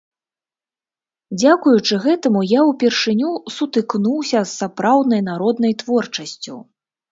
Дзякуючы гэтаму я ўпершыню сутыкнуўся з сапраўднай народнай творчасцю.